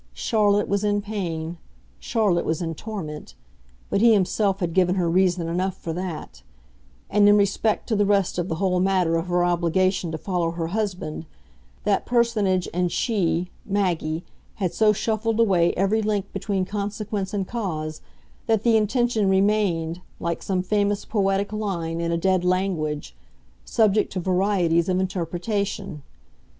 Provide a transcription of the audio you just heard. Charlotte was in pain, Charlotte was in torment, but he himself had given her reason enough for that; and, in respect to the rest of the whole matter of her obligation to follow her husband, that personage and she, Maggie, had so shuffled away every link between consequence and cause, that the intention remained, like some famous poetic line in a dead language, subject to varieties of interpretation.